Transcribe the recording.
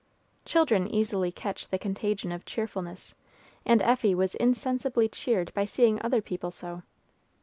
Children easily catch the contagion of cheerfulness, and Effie was insensibly cheered by seeing other people so.